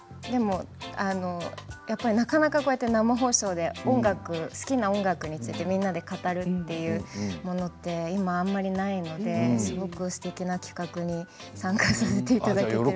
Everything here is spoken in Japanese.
やっぱりなかなか生放送で好きな音楽についてみんなで語るっていうものって今、あまりないのですごくすてきな企画に参加させていただいて。